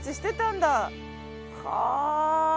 はあ！